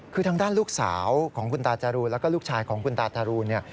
คือทางด้านลูกสาวของคุณตาจรูนแล้วก็ลูกชายของคุณตาทารูนเนี่ย